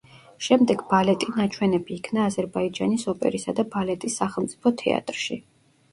შემდეგ ბალეტი ნაჩვენები იქნა აზერბაიჯანის ოპერისა და ბალეტის სახელმწიფო თეატრში.